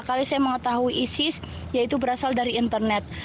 kali saya mengetahui isis yaitu berasal dari internet